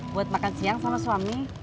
buat makan siang sama suami